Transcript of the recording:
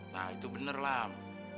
nah itu bener lam